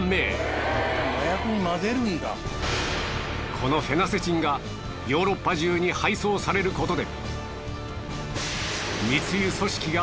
このフェナセチンがヨーロッパ中に配送されることで。